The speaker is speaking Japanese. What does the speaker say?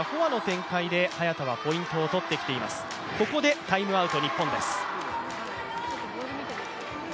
ここでタイムアウトです。